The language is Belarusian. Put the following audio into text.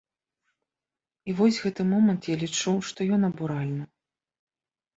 І вось гэты момант, я лічу, што ён абуральны.